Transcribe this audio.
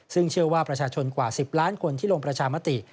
ซึ่งเชื่อว่าประชาชนกว่า๑๐ล้านคนที่ลงประชามติ